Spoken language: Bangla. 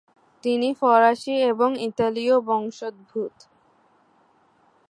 তিনি ফরাসি এবং ইতালীয় বংশোদ্ভূত।